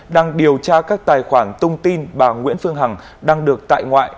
đang điều tra các tài khoản tung tin bà nguyễn phương hằng đang được tại ngoại